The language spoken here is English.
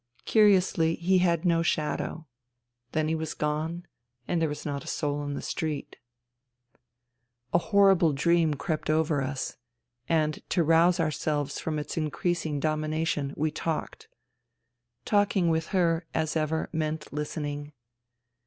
Curiously, he had no shadow. Then he was gone, and there was not a soul in the street. 76 FUTILITY A horrible dream crept over us. ... And to rouse ourselves from its increasing domination, we talked. Talking with her, as ever, meant listening.